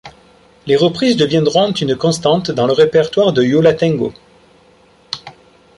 Les reprises deviendront une constante dans le répertoire de Yo La Tengo.